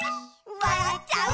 「わらっちゃう」